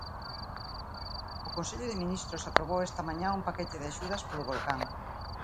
O Consello de Ministros aprobou esta mañá un paquete de axudas polo volcán.